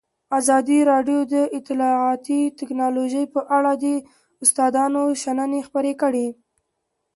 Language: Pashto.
ازادي راډیو د اطلاعاتی تکنالوژي په اړه د استادانو شننې خپرې کړي.